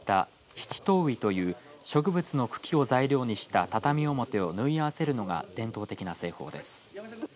シチトウイという植物の茎を材料にした畳表を縫い合わせるのが伝統的な製法です。